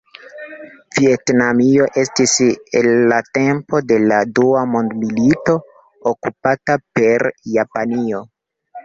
Vjetnamio estis en la tempo de la dua mondmilito okupata per Japanio.